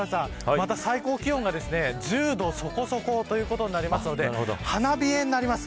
また最高気温が１０度そこそこということになりますので花冷えになります。